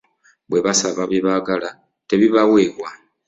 Bwe basaba bye baagala tebibaweebwa.